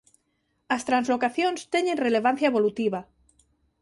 As translocacións teñen relevancia evolutiva.